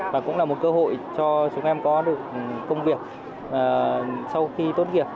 và cũng là một cơ hội cho chúng em có được công việc sau khi tốt nghiệp